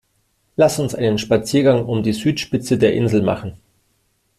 Lass uns einen Spaziergang um die Südspitze der Insel machen!